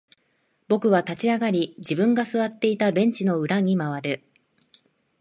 僕は立ち上がり、自分が座っていたベンチの裏に回る。